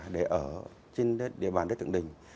để ở trên địa bàn đất thượng đình